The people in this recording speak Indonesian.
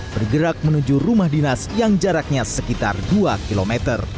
bergerak menuju rumah dinas yang jaraknya sekitar dua km